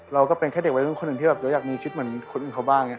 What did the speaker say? เราก็เป็นแค่เด็กวัยรุ่นคนหนึ่งที่แบบเราอยากมีชุดเหมือนคนอื่นเขาบ้าง